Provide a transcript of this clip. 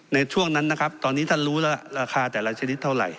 ในช่วงนั้นนะครับตอนนี้ท่านรู้แล้วราคาแต่ละชนิดเท่าไหร่